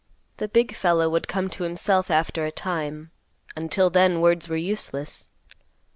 The big fellow would come to himself after a time; until then, words were useless.